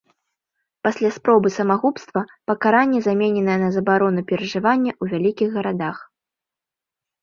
Пасля спробы самагубства пакаранне замененае на забарону пражывання ў вялікіх гарадах.